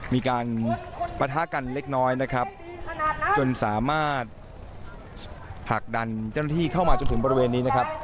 มีการปะทะกันเล็กน้อยนะครับจนสามารถผลักดันเจ้าหน้าที่เข้ามาจนถึงบริเวณนี้นะครับ